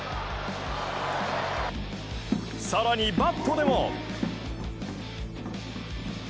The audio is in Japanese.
更に、バットでも。